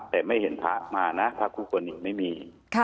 แต่ไม่เห็นภาพมานะภาพคู่คนอีกไม่มี